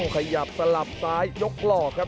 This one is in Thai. ขยับสลับซ้ายยกหลอกครับ